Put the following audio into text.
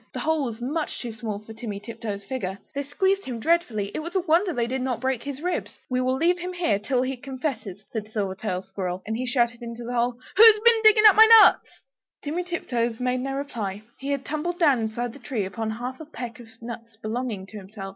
The hole was much too small for Timmy Tiptoes' figure. They squeezed him dreadfully, it was a wonder they did not break his ribs. "We will leave him here till he confesses," said Silvertail Squirrel, and he shouted into the hole "Who's been digging up my nuts?" Timmy Tiptoes made no reply; he had tumbled down inside the tree, upon half a peck of nuts belonging to himself.